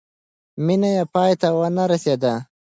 مینه یې پای ته ونه رسېده.